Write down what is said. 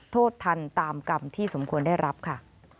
โทษทันตามกรรมที่สมควรได้รับค่ะ